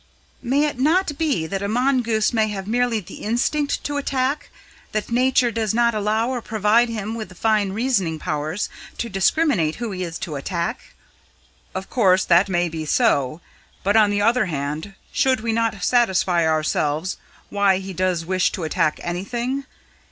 "May it not be that a mongoose may have merely the instinct to attack, that nature does not allow or provide him with the fine reasoning powers to discriminate who he is to attack?" "Of course that may be so. But, on the other hand, should we not satisfy ourselves why he does wish to attack anything?